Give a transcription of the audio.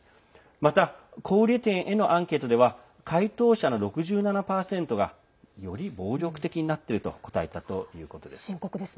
また、小売店へのアンケートでは回答者の６７％がより暴力的になっていると答えたということです。